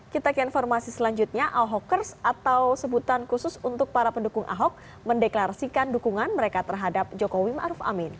kita ke informasi selanjutnya ahokers atau sebutan khusus untuk para pendukung ahok mendeklarasikan dukungan mereka terhadap jokowi ⁇ maruf ⁇ amin